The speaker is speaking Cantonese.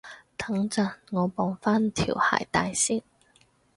等陣，我綁返條鞋帶先